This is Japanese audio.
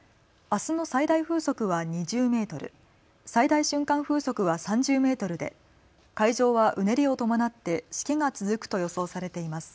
あすの最大風速は２０メートル、最大瞬間風速は３０メートルで海上はうねりを伴ってしけが続くと予想されています。